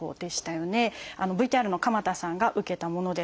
ＶＴＲの鎌田さんが受けたものです。